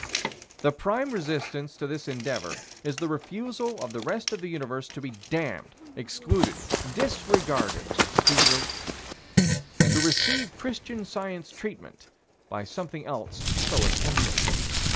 The prime resistance to this endeavor is the refusal of the rest of the universe to be damned, excluded, disregarded, to receive Christian Science treatment, by something else so attempting.